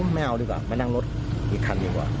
ไม่เอาดีกว่ามานั่งรถอีกคันดีกว่า